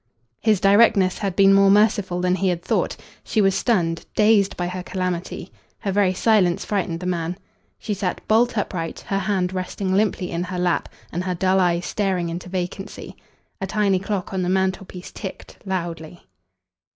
His directness had been more merciful than he had thought. She was stunned, dazed by her calamity. Her very silence frightened the man. She sat bolt upright, her hand resting limply in her lap and her dull eyes staring into vacancy. A tiny clock on the mantelpiece ticked loudly.